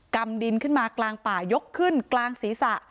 กำดินขึ้นมากลางป่ายกขึ้นกลางศีรษะ